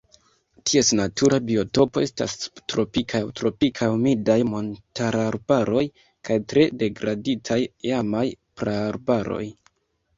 Ties natura biotopo estas subtropikaj aŭ tropikaj humidaj montararbaroj kaj tre degraditaj iamaj praarbaroj.